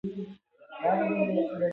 چې نور یې له شتمنیو خلاص کړي نه وي.